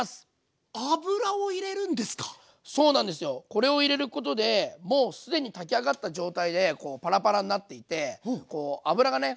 これを入れることでもう既に炊き上がった状態でパラパラになっていて油がね